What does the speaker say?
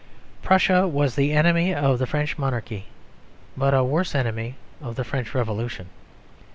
Prussia was the enemy of the French Monarchy; but a worse enemy of the French Revolution.